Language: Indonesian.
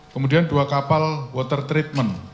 kemudian dua kapal water treatment